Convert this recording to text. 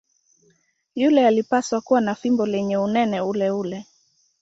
Yule alipaswa kuwa na fimbo lenye unene uleule.